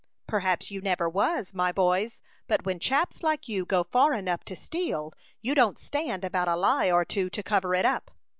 "Perhaps you never was, my boys; but when chaps like you go far enough to steal, you don't stand about a lie or two to cover it up.